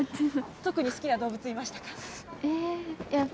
特に好きな動物いましたか？